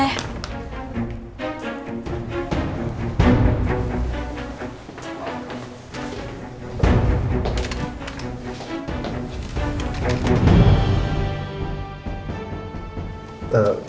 mbak untuk mempersingkat waktu